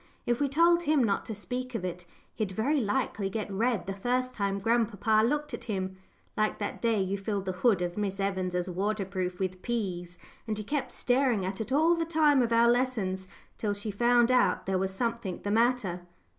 If we told him not to speak of it, he'd very likely get red the first time grandpapa looked at him like that day you filled the hood of Miss Evans' waterproof with peas, and he kept staring at it all the time of our lessons, till she found out there was something the matter."